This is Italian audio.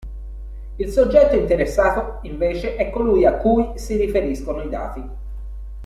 Il Soggetto interessato, invece è colui a cui si riferiscono i dati.